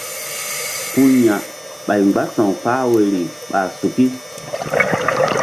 Ku ya̧ ɓay mgbása̧w kpah woyri ɓa suki.